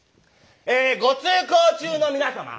「えご通行中の皆様。